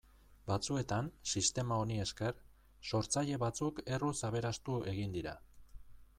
Batzuetan, sistema honi esker, sortzaile batzuk erruz aberastu egin dira.